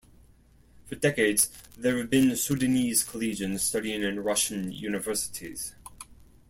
For decades there have been Sudanese collegians studying in Russian universities.